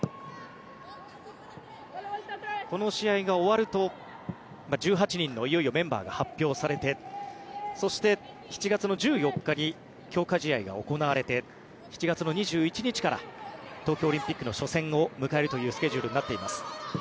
この試合が終わるといよいよ１８人のメンバーが発表されてそして７月１４日に強化試合が行われて７月２１日から東京オリンピックの初戦を迎えるというスケジュールになっています。